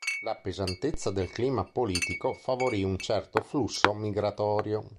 La pesantezza del clima politico favorì un certo flusso migratorio.